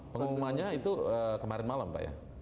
pengumumannya itu kemarin malam pak ya